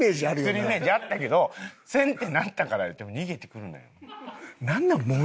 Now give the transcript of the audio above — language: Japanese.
するイメージあったけどせんってなったからいうても逃げてくるなや。